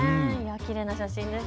きれいな写真です。